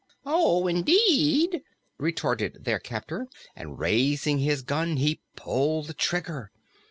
"Oh indeed!" retorted their captor, and raising his gun he pulled the trigger.